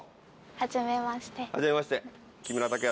はじめまして。